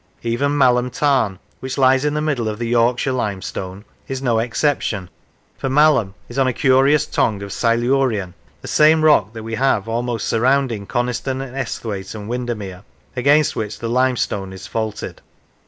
Even Malham Tarn, which lies in the middle of the Yorkshire limestone, is no ex ception, for Malham is on a curious tongue of Silurian (the same rock that we have almost surrounding Coniston and Esthwaite and Windermere), against which the limestone is faulted.